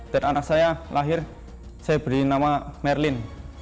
dan anak saya lahir saya beri nama merlin